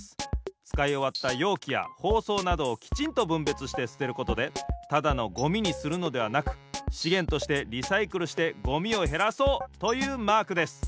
つかいおわったようきやほうそうなどをきちんとぶんべつしてすてることでただのゴミにするのではなくしげんとしてリサイクルしてゴミをへらそうというマークです。